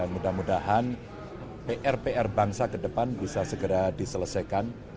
mudah mudahan pr pr bangsa ke depan bisa segera diselesaikan